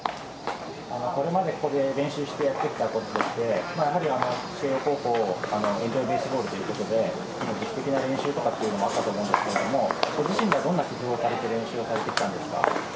これまでここで練習してやってきたこととして、やはり慶応高校、エンジョイベースボールということで、自主的な練習というのもあったかと思うんですけど、ご自身ではどんな工夫をされて練習をされてきたんですか。